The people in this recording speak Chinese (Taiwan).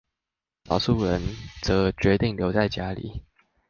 有少數人則決定留在家裡